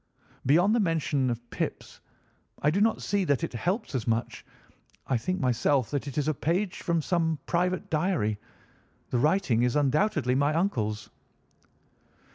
Beyond the mention of pips, I do not see that it helps us much. I think myself that it is a page from some private diary. The writing is undoubtedly my uncle's."